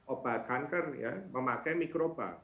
obat kanker ya memakai mikroba